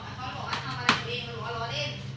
เขาบอกว่าเอามาแหลงเกรงหรือว่าล้อเล่น